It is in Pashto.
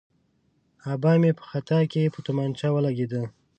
آبا مې په خطا کې په تومانچه ولګېد.